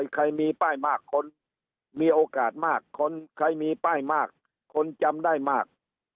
ใครมีป้ายมากคนมีโอกาสมากคนใครมีป้ายมากคนจำได้มาก